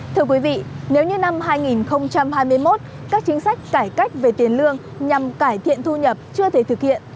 thưa quý vị nếu như năm hai nghìn hai mươi một các chính sách cải cách về tiền lương nhằm cải thiện thu nhập chưa thể thực hiện